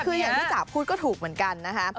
คืออย่างที่จ๋าพูดก็ถูกเหมือนกันนะคะ